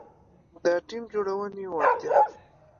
-د ټیم جوړونې وړتیا